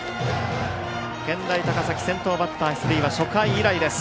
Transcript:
健大高崎、先頭バッター、出塁は初回以来です。